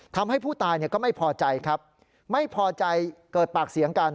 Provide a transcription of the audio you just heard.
ทำให้ผู้ตายก็ไม่พอใจครับไม่พอใจเกิดปากเสียงกัน